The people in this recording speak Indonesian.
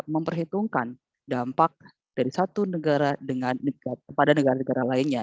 memperhitungkan dampak dari satu negara pada negara negara lainnya